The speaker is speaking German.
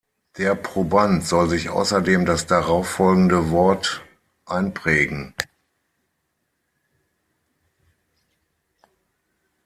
Der Proband soll sich außerdem das darauffolgende Wort einprägen.